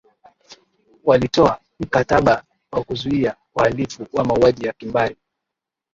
walitoa mkataba wa kuzuia uhalifu wa mauaji ya kimbari